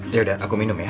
yaudah aku minum ya